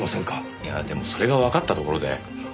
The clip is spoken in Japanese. いやでもそれがわかったところで。